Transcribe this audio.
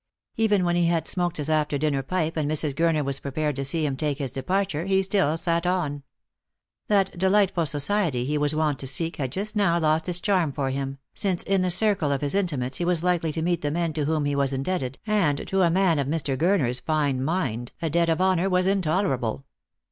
Even when he had smoked his after dinner pipe, and Mrs. Gurner was prepared to see him take his departure, he still sat on. That delightful society he was wont to seek had just now lost its charm for him, since in the circle of his intimates he was likely to meet the men to whom he was indebted, and to a man of Mr. Gurner's fine mind a debt of honour was intolerable.